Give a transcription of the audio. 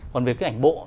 còn về cái ảnh bộ